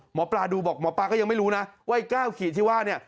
หมอปลาดูบอกหมอปลาก็ยังไม่รู้นะว่าไอ้๙ขีดที่ว่าเนี่ย